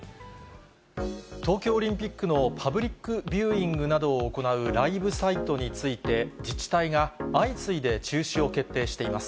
東京オリンピックのパブリックビューイングなどを行うライブサイトについて、自治体が、相次いで中止を決定しています。